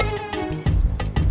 ya ada tiga orang